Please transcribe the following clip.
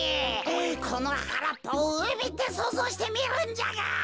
このはらっぱをうみってそうぞうしてみるんじゃが！